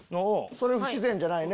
それ不自然じゃないね。